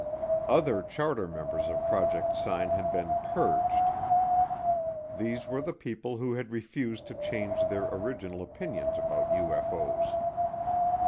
Other charter members of Project Sign had been "purged." These were the people who had refused to change their original opinions about UFO's.